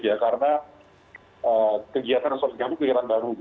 ya karena kegiatan restorasi gabung kegiatan baru